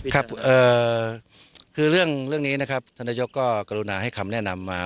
ครับคือเรื่องเรื่องนี้นะครับธนยกก็กรุณาให้คำแนะนำมา